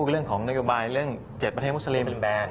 คือเรื่องของนักอุบัยเรื่อง๗ประเทศมุสลิม